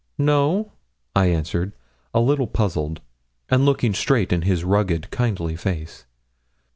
'No,' I answered, a little puzzled, and looking straight in his rugged, kindly face.